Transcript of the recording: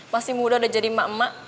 masih muda udah jadi emak emak